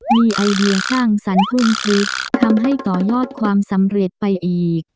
มีไอเดียสร้างสรรคุ่มคิดทำให้ต่อยอดความสำเร็จไปอีก